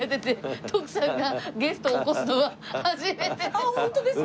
あっホントですか！